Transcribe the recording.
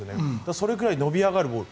それくらい伸び上がるボール。